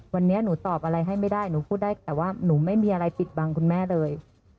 วันนี้หนูตอบอะไรให้ไม่ได้หนูพูดได้แต่ว่าหนูไม่มีอะไรปิดบังคุณแม่เลย